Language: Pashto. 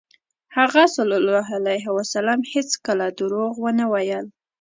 هغه ﷺ هېڅکله دروغ ونه ویل.